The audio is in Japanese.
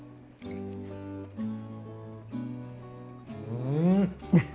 うん！